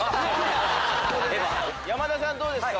山田さんどうですか？